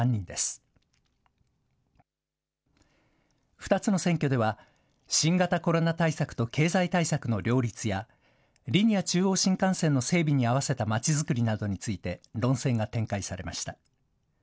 ２つの選挙では、新型コロナ対策と経済対策の両立や、リニア中央新幹線の整備に合わせたまちづくりなどについて論戦が展開されました。